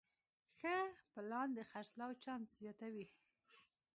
ښه پلان د خرڅلاو چانس زیاتوي.